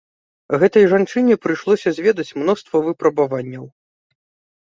Гэтай жанчыне прыйшлося зведаць мноства выпрабаванняў.